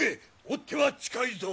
追っ手は近いぞ！